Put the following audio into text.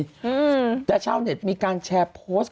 อืมแต่ชาวเน็ตมีการแชร์โพสต์